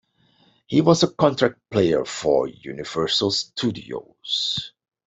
He was a contract player for Universal Studios.